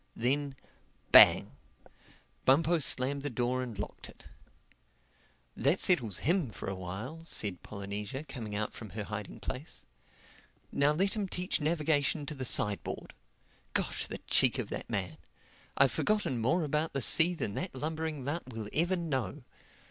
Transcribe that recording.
Then, bang! Bumpo slammed the door and locked it. "That settles him for a while," said Polynesia coming out from her hiding place. "Now let him teach navigation to the side board. Gosh, the cheek of the man! I've forgotten more about the sea than that lumbering lout will ever know.